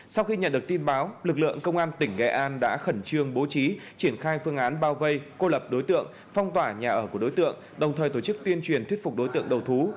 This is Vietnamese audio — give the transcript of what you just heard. sau khi nhận được tin báo lực lượng công an tỉnh nghệ an đã khẩn trương bố trí triển khai phương án bao vây cô lập đối tượng phong tỏa nhà ở của đối tượng đồng thời tổ chức tuyên truyền thuyết phục đối tượng đầu thú